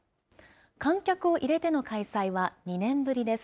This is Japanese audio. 観客を入れての開催は２年ぶりです。